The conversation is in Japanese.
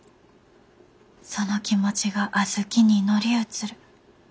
「その気持ちが小豆に乗り移る。